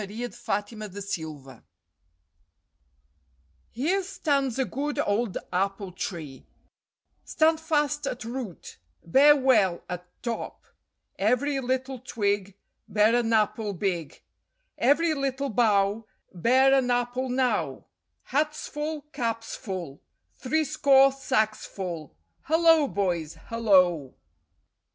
THOMAS. POMONA'S BEST GIFT Here stands a good old apple tree Stand fast at root, Bear well, at top; Every little twig Bear an apple big; Every little bough Bear an apple now; Hats full, caps full; Threescore sacks full! Hullo, boys, hullo!